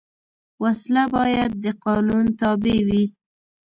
وسله باید د قانون تابع وي